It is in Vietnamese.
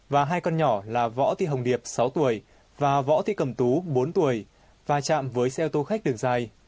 và hai con nhỏ là võ thị hồng điệp sáu tuổi và võ thị cầm tú bốn tuổi và chạm với xe ô tô khách đường dài